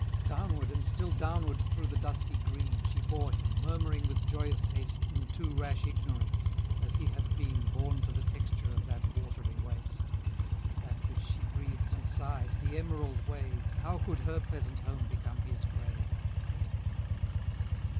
Down and still downward through the dusky green She bore him, murmuring with joyous haste In too rash ignorance, as he had been Born to the texture of that watery waste; That which she breathed and sigh'd, the emerald wave, How could her pleasant home become his grave!